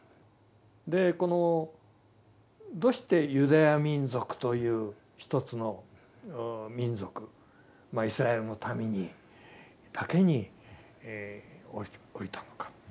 でこのどうしてユダヤ民族という一つの民族イスラエルの民にだけに降りたのか。